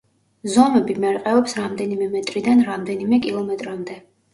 ზომები მერყეობს რამდენიმე მეტრიდან რამდენიმე კილომეტრამდე.